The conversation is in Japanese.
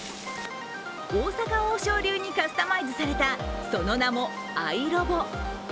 大阪王将流にカスタマイズされた、その名もアイロボ。